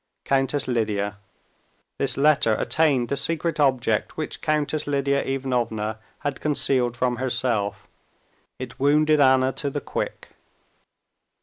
"Countess Lidia." This letter attained the secret object which Countess Lidia Ivanovna had concealed from herself. It wounded Anna to the quick.